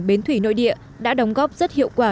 bến thủy nội địa đã đóng góp rất hiệu quả